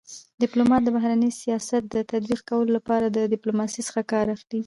ډيپلومات دبهرني سیاست د تطبيق کولو لپاره د ډيپلوماسی څخه کار اخلي.